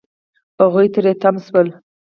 هغوی تری تم شول.